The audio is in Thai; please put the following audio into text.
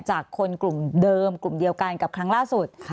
จากคนกลุ่มเดิมกลุ่มเดียวกันกับครั้งล่าสุด